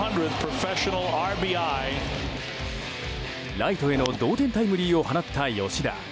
ライトへの同点タイムリーを放った吉田。